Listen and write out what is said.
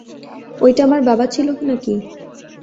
ঐটা আমার বাবা ছিলো না-কি?